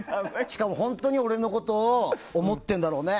しかも本当に俺のことを思ってるんだろうね。